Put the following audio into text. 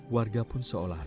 warga pun seolah